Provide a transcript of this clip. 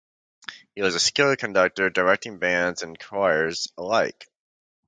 He was a skilled conductor, directing bands and choirs alike.